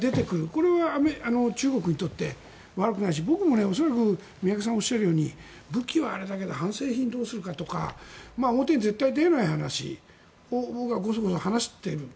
これは中国にとって悪くないし僕も恐らく宮家さんがおっしゃるように武器はあれだけど半製品はどうするのかとか表に絶対出ない話を僕はごそごそ話していると。